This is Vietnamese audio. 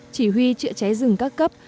chỉ huy chữa cháy rừng các cấp